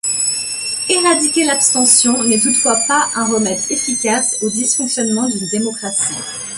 Éradiquer l'abstention n'est toutefois pas un remède efficace au dysfonctionnement d'une démocratie.